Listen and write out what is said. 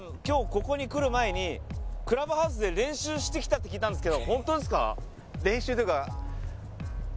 今日ここに来る前にクラブハウスで練習してきたって聞いたんすけど本当ですか？